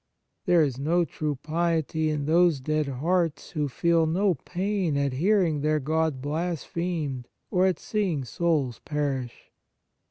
There is no true piety in those dead hearts who feel no pain at hearing their God blasphemed or at seeing souls perish.